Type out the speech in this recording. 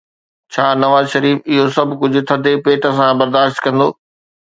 ڇا نواز شريف اهو سڀ ڪجهه ٿڌي پيٽ سان برداشت ڪندو؟